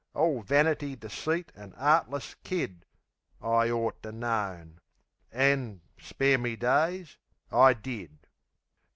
All vanity, deceit an' 'eartless kid! I orter known; an', spare me days, I did!